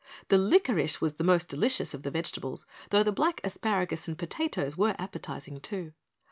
The licorice was the most delicious of the vegetables, though the black asparagus and potatoes were appetizing, too.